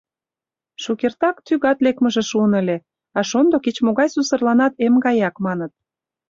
Шукертак тӱгат лекмыже шуын ыле, а шондо кеч-могай сусырланат эм гаяк, маныт.